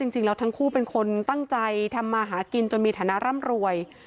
จริงแล้วทั้งคู่เป็นคนตั้งใจทำมาหากินจนมีฐานะร่ำรวย